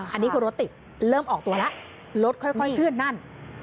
อันนี้คือรถติดเริ่มออกตัวแล้วรถค่อยเคลื่อนนั่น